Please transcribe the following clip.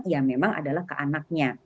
ya memang adalah ke anaknya